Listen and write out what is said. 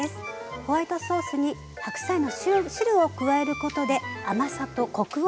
ホワイトソースに白菜の汁を加えることで甘さとコクを楽しめることができます。